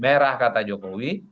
merah kata jokowi